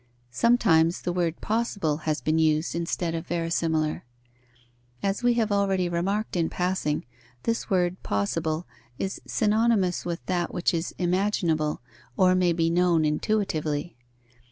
Sometimes the word "possible" has been used instead of "verisimilar." As we have already remarked in passing, this word possible is synonymous with that which is imaginable or may be known intuitively.